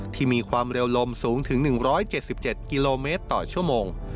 ที่มีความเร็วลมสูงถึงหนึ่งร้อยเจ็ดสิบเจ็ดกิโลเมตรต่อชั่วโมง